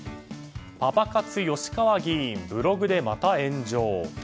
パパ活、吉川議員ブログでまた炎上。